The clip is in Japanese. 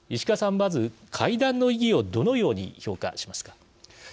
まず会談の意義をどのように評価しますか。